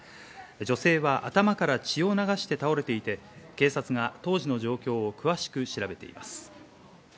女性は頭から血を流して倒れていて、警察が当時の状況を詳しく調べています。